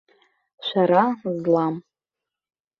Шәара злам.